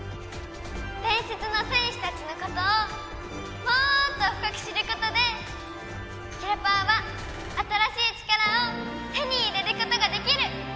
伝説の戦士たちのことをもっと深く知ることでキラパワは新しい力を手に入れることができる！